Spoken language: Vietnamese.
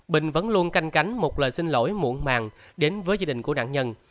bình vẫn luôn canh cánh một lời xin lỗi muộn màng đến với gia đình của nạn nhân